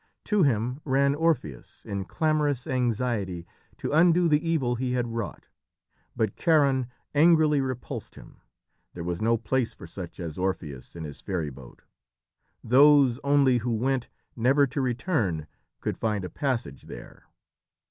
To him ran Orpheus, in clamorous anxiety to undo the evil he had wrought. But Charon angrily repulsed him. There was no place for such as Orpheus in his ferry boat. Those only who went, never to return, could find a passage there.